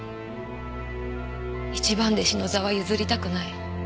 一番弟子の座は譲りたくない。